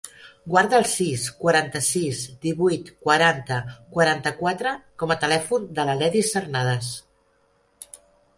Guarda el sis, quaranta-sis, divuit, quaranta, quaranta-quatre com a telèfon de l'Aledis Cernadas.